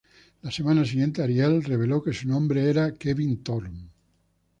La semana siguiente Ariel reveló que su nombre era Kevin Thorn.